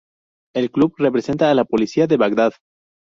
El club representa a la Policía de Bagdad.